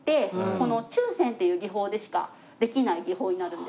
この注染っていう技法でしかできない技法になるんですけど。